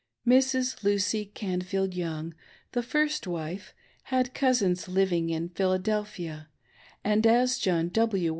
Mrs. Lucy Canfield Young, the first wife, had cousins living in Philadelphia, and as John W.